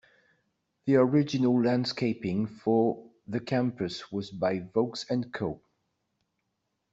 The original landscaping for the campus was by Vaux and Co..